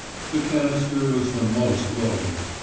The canister was the most loathed.